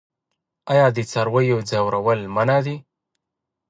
آیا د څارویو ځورول منع نه دي؟